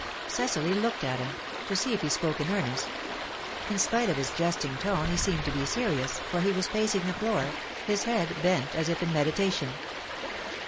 Cecily looked at him, to see if he spoke in earnest. In spite of his jesting tone, he seemed to be serious, for he was pacing the floor, his head bent as if in meditation.